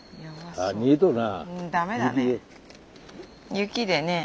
雪でね。